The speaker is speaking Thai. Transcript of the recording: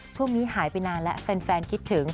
ช่วงนี้หายไปนานแล้วแฟนคิดถึง